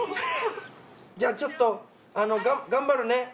じゃあちょっと頑張るね。